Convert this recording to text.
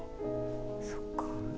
そっか。